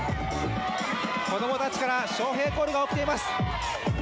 子供たちから翔平コールが起きています。